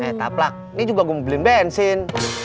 eh takplak ini juga gua beliin bensin